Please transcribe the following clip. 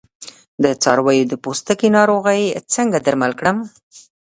د څارویو د پوستکي ناروغۍ څنګه درمل کړم؟